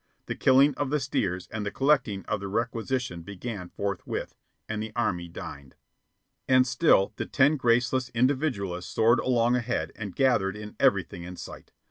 The killing of the steers and the collecting of the requisition began forthwith, and the Army dined. And still the ten graceless individualists soared along ahead and gathered in everything in sight.